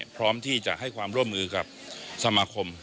พร้อมที่จะให้ความร่วมมือกับสมาคม